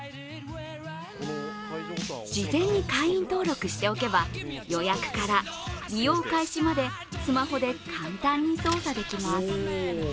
事前に会員登録しておけば予約から利用開始までスマホで簡単に操作できます。